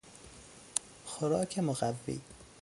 خوراک مقوی